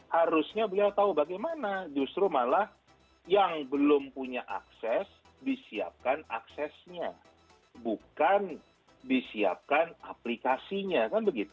harusnya beliau tahu bagaimana justru malah yang belum punya akses disiapkan aksesnya bukan disiapkan aplikasinya kan begitu